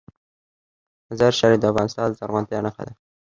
مزارشریف د افغانستان د زرغونتیا نښه ده.